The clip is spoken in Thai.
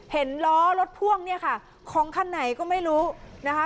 เห็นล้อรถพ่วงเนี่ยค่ะของคันไหนก็ไม่รู้นะคะ